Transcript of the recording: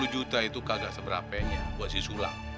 dua puluh juta itu kagak seberapainya buat si sulam